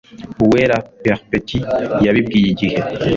Uwera Perpétue, yabibwiye IGIHE